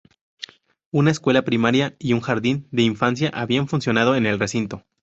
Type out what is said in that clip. Una escuela primaria y un jardín de infancia habían funcionado en el recinto.